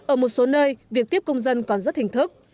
ở một số nơi việc tiếp công dân còn rất hình thức